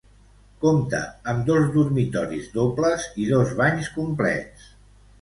Compta amb dos dormitoris dobles i dos banys complets.